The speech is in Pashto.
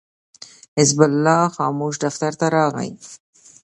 حزب الله خاموش دفتر ته راغی.